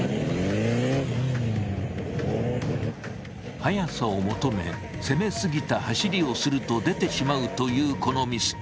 速さを求め攻め過ぎた走りをすると出てしまうというこのミス。